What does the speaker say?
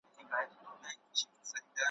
زېری به راسي د پسرلیو `